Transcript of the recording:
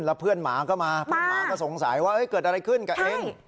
แล้วเพื่อนหมาก็มาเพื่อนหมาก็สงสัยว่าเกิดอะไรขึ้นกับเอง